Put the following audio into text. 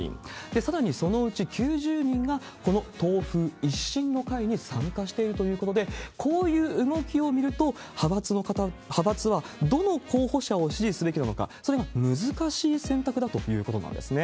さらにそのうち９０人がこの党風一新の会に参加しているということで、こういう動きを見ると、派閥はどの候補者を支持すべきなのか、それが難しい選択だということなんですね。